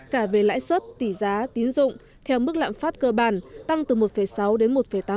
cả về lãi suất tỷ giá tín dụng theo mức lạm phát cơ bản tăng từ một sáu đến một tám